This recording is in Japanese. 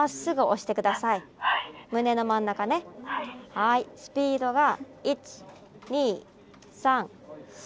はいスピードが１２３４。